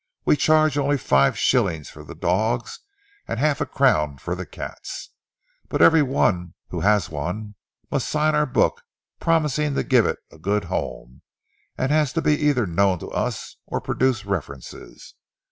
"We charge only five shillings for the dogs and half a crown for the cats, but every one who has one must sign our book, promising to give it a good home, and has to be either known to us or to produce references.